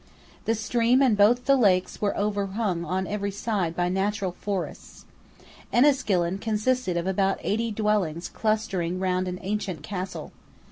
The stream and both the lakes were overhung on every side by natural forests. Enniskillen consisted of about eighty dwellings clustering round an ancient castle.